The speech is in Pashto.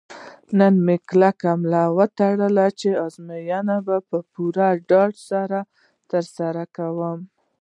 نن مې کلکه ملا وتړله چې ازموینې به په پوره ډاډ سره ترسره کوم.